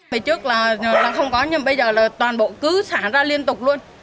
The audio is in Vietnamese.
bây trước là không có nhưng bây giờ là toàn bộ cứ xả ra liên tục luôn